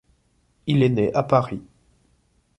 Il est né à Paris.